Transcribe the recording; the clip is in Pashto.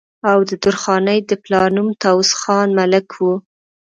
او د درخانۍ د پلار نوم طاوس خان ملک وو